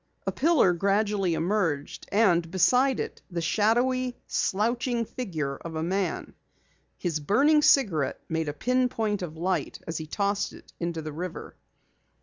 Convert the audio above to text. A pillar gradually emerged, and beside it the shadowy, slouching figure of a man. His burning cigarette made a pin point of light as he tossed it into the river.